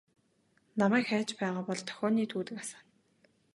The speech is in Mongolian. Намайг хайж байгаа бол дохионы түүдэг асаана.